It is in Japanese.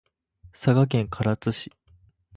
佐賀県唐津市